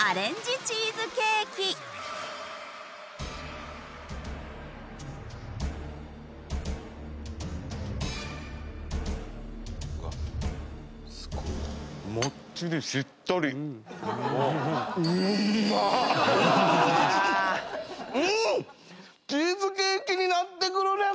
チーズケーキになってくるねこれ！